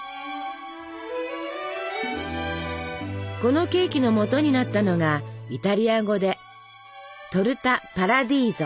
このケーキのもとになったのがイタリア語で「トルタパラディーゾ」。